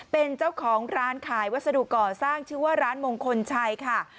เป็นเจ้าของร้านขายวัสดุก่อสร้างชื่อว่าร้านมงคลชัยค่ะ